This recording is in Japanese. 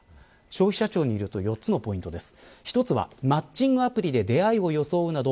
消費者庁によると４つのポイントです。